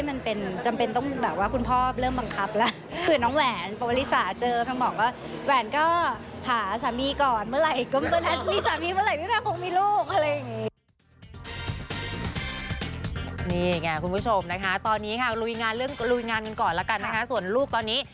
แต่ว่าเราไม่ได้คุมไม่ได้อะไร